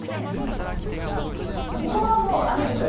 ここはもうあれですか？